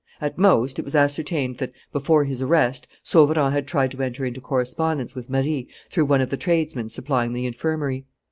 At most, it was ascertained that, before his arrest, Sauverand had tried to enter into correspondence with Marie through one of the tradesmen supplying the infirmary.